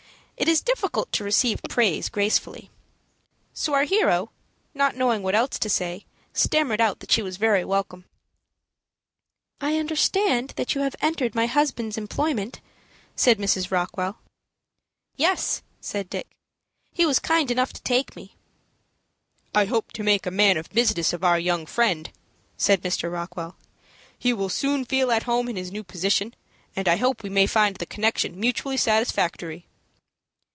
It is difficult to receive praise gracefully. So our hero, not knowing what else to say, stammered out that she was very welcome. "I understand that you have entered my husband's employment," said Mrs. Rockwell. "Yes," said Dick. "He was kind enough to take me." "I hope to make a man of business of our young friend," said Mr. Rockwell. "He will soon feel at home in his new position, and I hope we may find the connection mutually satisfactory."